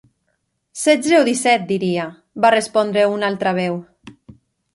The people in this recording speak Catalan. "Setze o disset, diria", va respondre una altra veu.